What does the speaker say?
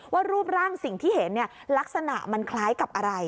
รูปร่างสิ่งที่เห็นลักษณะมันคล้ายกับอะไร